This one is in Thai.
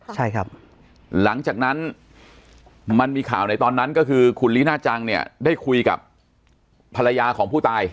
ใช่ครับหลังจากนั้นมันมีข่าวในตอนนั้นก็คือคุณลีน่าจังเนี่ยได้คุยกับภรรยาของผู้ตาย